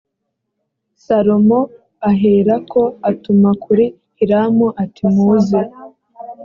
salomo aherako atuma kuri hiramu ati muze